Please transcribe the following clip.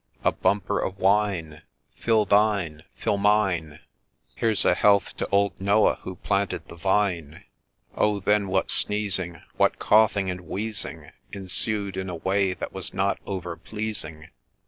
' A bumper of wine I Fill thine ! Fill mine ! 104 THE WITCHES' FROLIC Here 's a health to old Noah who planted the Vine I ' Oh then what sneezing, What coughing and wheezing, Ensued in a way that was not over pleasing.